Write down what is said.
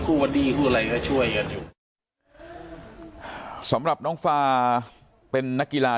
วอดี้คู่อะไรก็ช่วยกันอยู่สำหรับน้องฟาเป็นนักกีฬา